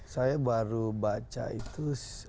saya baru baca itu